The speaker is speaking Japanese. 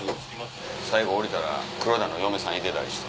最後降りたら黒田の嫁さんいてたりして。